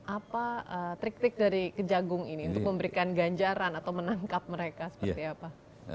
apa trik trik dari kejagung ini untuk memberikan ganjaran atau menangkap mereka seperti apa